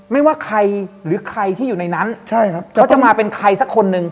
ไม่ว่าใครหรือใครที่อยู่ในนั้นก็จะมาเป็นใครสักคนนึง